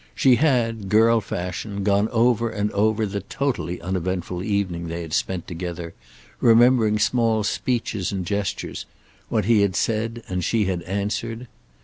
She had, girl fashion, gone over and over the totally uneventful evening they had spent together, remembering small speeches and gestures; what he had said and she had answered.